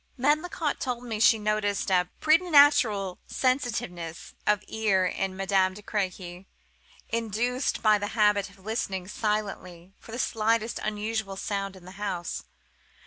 Medlicott told me she noticed a preternatural sensitiveness of ear in Madame de Crequy, induced by the habit of listening silently for the slightest unusual sound in the house.